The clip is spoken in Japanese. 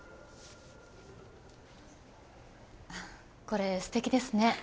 これすてきですね。